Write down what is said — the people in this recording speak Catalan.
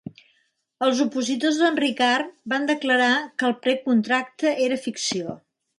Els opositors d'en Ricard van declarar que el precontracte era ficció.